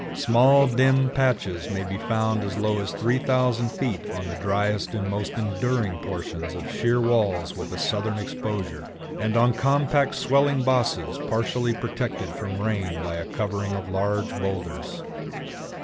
Small dim patches may be found as low as 3000 feet on the driest and most enduring portions of sheer walls with a southern exposure, and on compact swelling bosses partially protected from rain by a covering of large boulders.